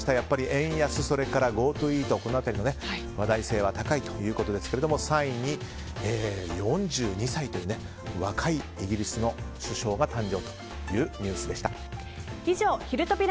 円安、ＧｏＴｏイートこの辺りの話題性は高いということですけれども３位に４２歳という若いイギリスの首相が誕生という以上ひるトピ！